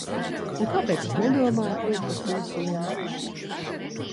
Un kāpēc es nedomāju kļūt par pilsoni?